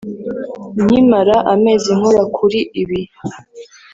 nkimara amezi nkora kuri ibi